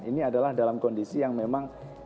ini adalah dalam kondisi yang memang